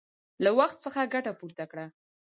له وخت څخه ګټه پورته کړه!